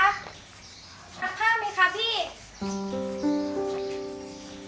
รับผ้าไหมคะพี่